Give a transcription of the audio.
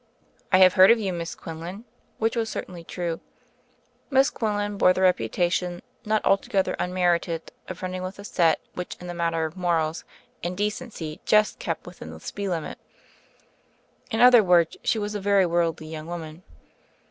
"I have heard of you, Miss Quinlan," which was certainly true. Miss Quinlan bore the reputation, not altogether unmerited, of run ning with a set which in the matter of morals and decency just kept within the speed limit. In other words, she was a very worldly young woman.